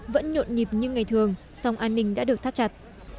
vẫn nhộn nhịp như ngày thường song an ninh đã được thắt chặt